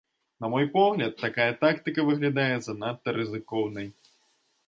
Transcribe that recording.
На мой погляд, такая тактыка выглядае занадта рызыкоўнай.